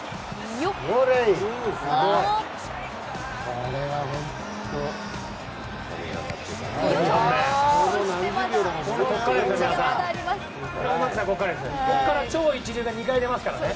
ここから超一流が２回出ますからね。